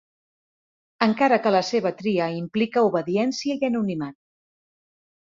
Encara que la seva tria implica obediència i anonimat.